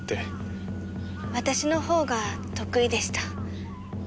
私の方が得意でした。